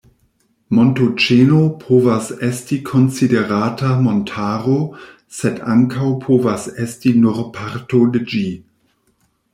Montoĉeno povas esti konsiderata montaro, sed ankaŭ povas esti nur parto de ĝi.